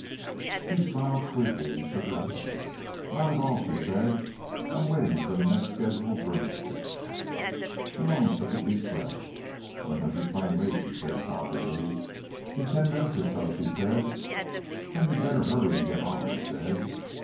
She smiled sweetly and shook her head. "Not at all," she said. "I'm waiting for the next scheduled broomstick." Malone took a deep breath. "When does your plane leave?" he said doggedly. "In ten minutes or so," she said. "Then you'd better hurry and get on," he said.